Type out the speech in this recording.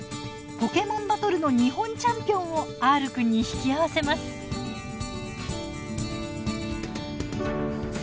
ポケモンバトルの日本チャンピオンをＲくんに引き合わせます。